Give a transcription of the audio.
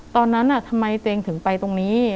ตอนนั้นทำไมตัวเองถึงไปตรงนี้